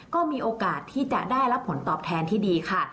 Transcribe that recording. ก็มีโอกาสที่จะได้รับผลตอบแทนที่ดีค่ะ